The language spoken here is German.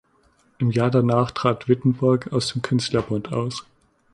Im Jahr danach trat Wittenburg aus dem Künstlerbund aus.